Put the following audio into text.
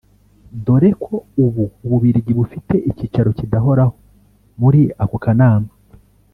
dore ko ubu u Bubiligi bufite icyicaro kidahoraho muri ako kanama